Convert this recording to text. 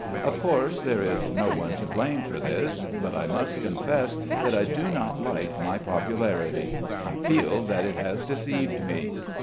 Of course there is no one to blame for this. But I must confess I do not like my popularity. I feel that it has deceived me.